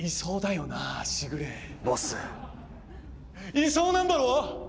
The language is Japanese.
いそうなんだろ？